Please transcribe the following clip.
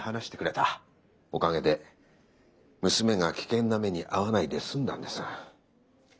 おかげで娘が危険な目に遭わないで済んだんです。